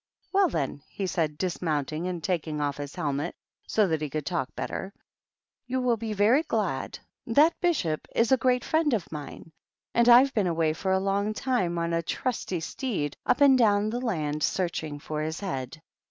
" Well, then," he said, dismounting and taki off his helmet so that he could talk better, " yoi be very glad. That Bishop is a great friend mine, and I've been away a long time on ] trusty steed, up and down the land, searching his head.